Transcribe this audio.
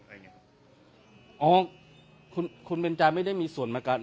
อะไรอย่างเงี้ยอ๋อคุณคุณเบนจาไม่ได้มีส่วนมากัน